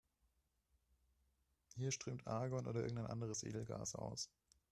Hier strömt Argon oder irgendein anderes Edelgas aus.